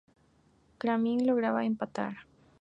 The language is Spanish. Krámnik lograba empatar.